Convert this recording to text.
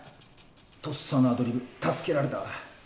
とっさのアドリブ助けられたわ。